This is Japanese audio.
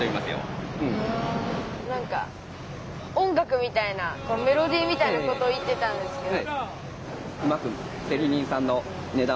なんか音楽みたいなメロディーみたいなこと言ってたんですけど。